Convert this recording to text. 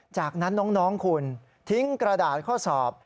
จากนั้นน้องคุณทิ้งกระดาษข้อสอบ